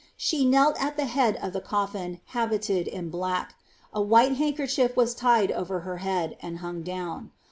She knell at the head of the collin habited in black; a white handker chief was tied over her head, and hung down.